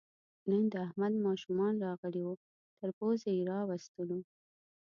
نن د احمد ماشومان راغلي وو، تر پوزې یې راوستلو.